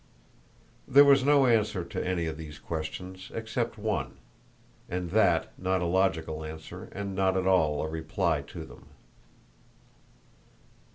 There was no answer to any of these questions, except one, and that not a logical answer and not at all a reply to them.